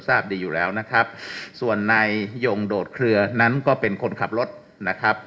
ทราบดีอยู่แล้วนะครับส่วนนายยงโดดเคลือนั้นก็เป็นคนขับรถนะครับ